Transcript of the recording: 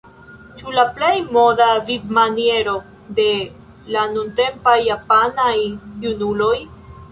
Ĉu la plej moda vivmaniero de la nuntempaj japanaj junuloj?